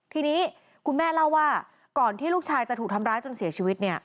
ทีนี้คุณแม่เล่าว่าก่อนที่ลูกชายจะถูกทำร้ายจนเสียชีวิตเนี่ย